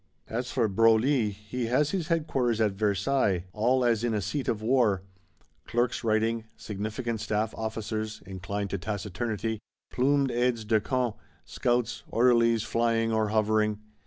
_ As for Broglie, he has his headquarters at Versailles, all as in a seat of war: clerks writing; significant staff officers, inclined to taciturnity; plumed aides de camp, scouts, orderlies flying or hovering.